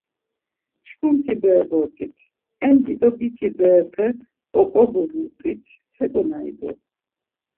Çkuti bere bort̆it, en dido biç̌i berepe oǩobobut̆it, heǩonari t̆u.